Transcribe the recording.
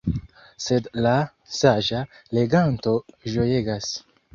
Sed la „saĝa“ leganto ĝojegas.